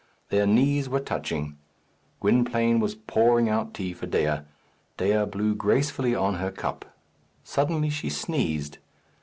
Their knees were touching. Gwynplaine was pouring out tea for Dea. Dea blew gracefully on her cup. Suddenly she sneezed.